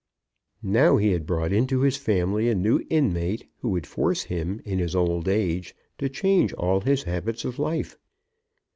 Now he had brought into his family a new inmate who would force him in his old age to change all his habits of life.